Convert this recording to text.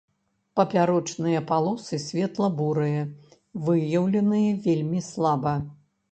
Папярочныя палосы светла-бурыя, выяўленыя вельмі слаба.